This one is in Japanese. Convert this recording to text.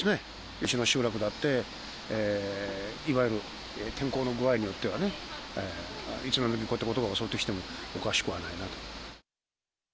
うちの集落だって、いわゆる天候の具合によってはね、いつこういうことが襲ってきてもおかしくはないなと。